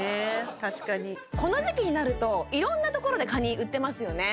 確かにこの時期になるといろんなところでカニ売ってますよね